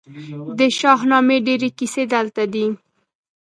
د شاهنامې ډیرې کیسې دلته دي